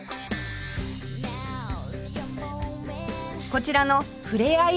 こちらのふれあい